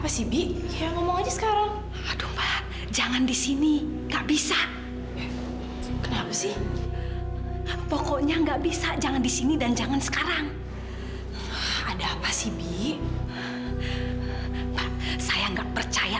sampai jumpa di video selanjutnya